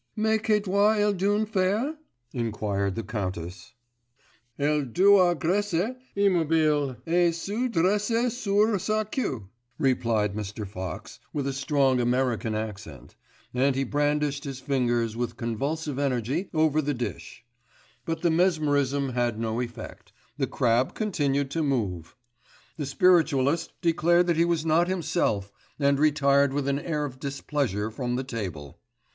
'Mais que doit elle donc faire?' inquired the countess. 'Elle doâ rester immobile et se dresser sur sa quiou,' replied Mr. Fox, with a strong American accent, and he brandished his fingers with convulsive energy over the dish; but the mesmerism had no effect, the crab continued to move. The spiritualist declared that he was not himself, and retired with an air of displeasure from the table.